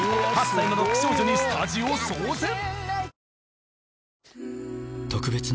８歳のロック少女にスタジオ騒然！